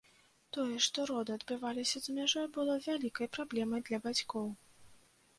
Тое, што роды адбываліся за мяжой, было вялікай праблемай для бацькоў.